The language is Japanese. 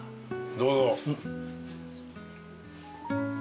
どうぞ。